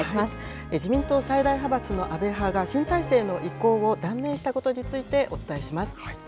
自民党最大派閥の安倍派が、新体制への移行を断念したことについて、お伝えします。